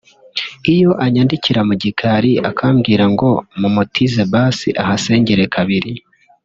iyo anyandikira mu gikari akambwira ngo mumutize basi ahasengere kabiri